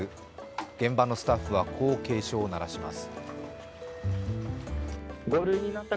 現場のスタッフはこう警鐘を鳴らします。